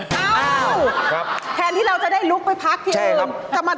อ้าวแทนที่เราจะได้ลุกไปพักที่อื่นใช่ครับ